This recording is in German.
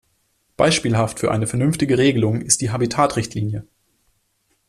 Beispielhaft für eine vernünftige Regelung ist die Habitatrichtlinie.